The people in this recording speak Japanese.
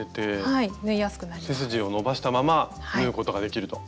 高さが出て背筋を伸ばしたまま縫うことができると。